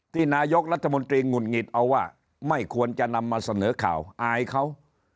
ที่นายกรัฐมนตรีหงุดหงิดเอาว่าไม่ควรจะนำมาเสนอข่าวอายเขา